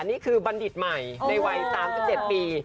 นี่คือบัณฑิตใหม่ในวัย๓๗ปี